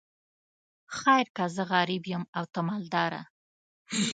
خیر که زه غریب یم او ته مالداره.